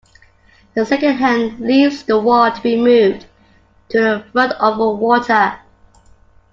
The second hand leaves the wall to be moved to the front over water.